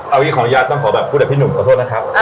เอางี้ขออนุญาตต้องขอแบบพูดกับพี่หนุ่มขอโทษนะครับ